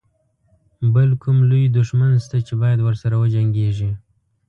بل کوم لوی دښمن شته چې باید ورسره وجنګيږي.